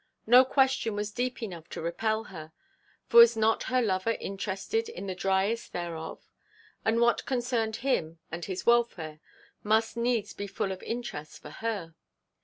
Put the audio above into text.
No question was deep enough to repel her; for was not her lover interested in the dryest thereof; and what concerned him and his welfare must needs be full of interest for her.